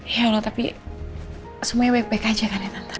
ya allah tapi semuanya baik baik saja kan ya tante